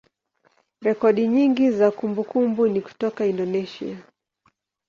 rekodi nyingi za kumbukumbu ni kutoka Indonesia.